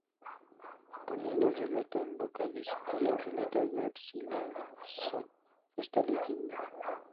Poniendo el relato en boca de su tío, relata Garcilaso esta leyenda.